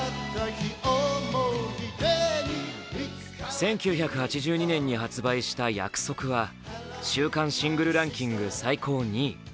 １９８２年に発売した「約束」は週間シングルランキング最高２位。